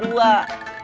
itu juga mungkin kw dua